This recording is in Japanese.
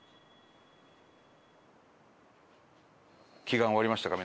祈願終わりましたか？